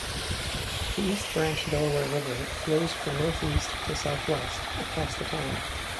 The East Branch Delaware River flows from northeast to southwest across the town.